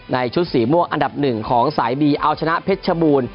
ชุดสีม่วงอันดับหนึ่งของสายบีเอาชนะเพชรชบูรณ์